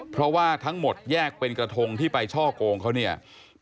เพราะว่าทั้งหมดแยกเป็นกระทงที่ไปช่อโกงเขาเนี่ย